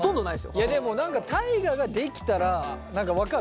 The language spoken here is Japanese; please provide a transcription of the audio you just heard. いやでも大我ができたら何か分かる？